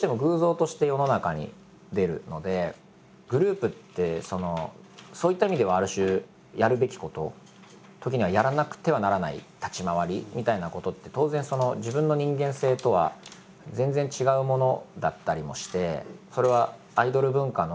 どうしてもグループってそういった意味ではある種やるべきこと時にはやらなくてはならない立ち回りみたいなことって当然自分の人間性とは全然違うものだったりもして。